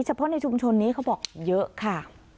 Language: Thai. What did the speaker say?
เฉพาะในชุมชนนี้เขาบอกเยอะค่ะ